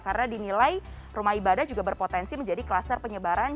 karena dinilai rumah ibadah juga berpotensi menjadi klaser penyebab